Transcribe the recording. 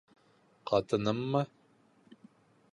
Ҡатыныммы?..